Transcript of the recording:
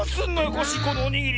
コッシーこのおにぎり？